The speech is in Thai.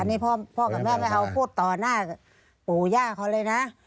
นี่พ่อกับแม่ไม่เอาพูดต่อหน้าปู่ย่าเขาเลยนะ